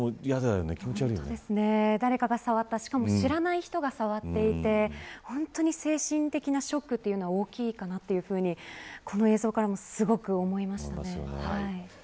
誰かが触ったしかも、知らない人が触っていて精神的なショックというのは大きいかなというふうにこの映像からもすごく思いましたね。